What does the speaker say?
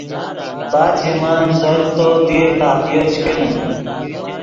بعد ژیے من زو لے تو دیر قافیو چے کینیم